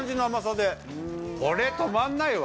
・これ止まんないわ！